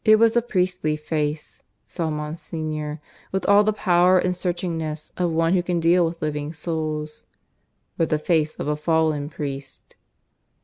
It was a priestly face, saw Monsignor, with all the power and searchingness of one who can deal with living souls; but the face of a fallen priest.